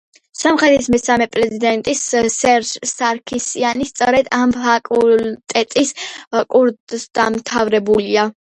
სომხეთის მესამე პრეზიდენტი სერჟ სარქისიანი სწორედ ამ ფაკულტეტის კურსდამთავრებულია.